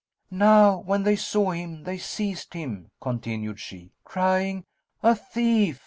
"Now when they saw him they seized him (continued she), crying:—A thief!